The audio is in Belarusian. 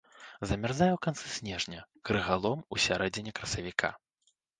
Замярзае ў канцы снежня, крыгалом у сярэдзіне красавіка.